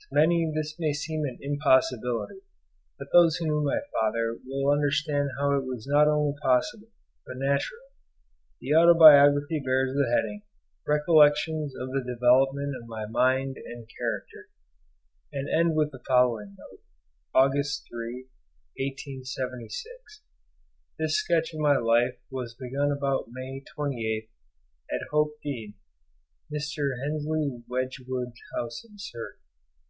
To many this may seem an impossibility; but those who knew my father will understand how it was not only possible, but natural. The autobiography bears the heading, 'Recollections of the Development of my Mind and Character,' and end with the following note:—"Aug. 3, 1876. This sketch of my life was begun about May 28th at Hopedene (Mr. Hensleigh Wedgwood's house in Surrey.)